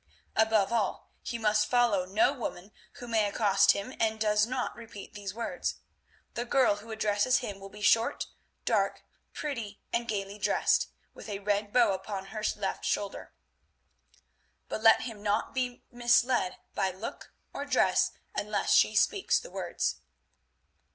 Above all, he must follow no woman who may accost him and does not repeat these words. The girl who addresses him will be short, dark, pretty, and gaily dressed, with a red bow upon her left shoulder. But let him not be misled by look or dress unless she speaks the words.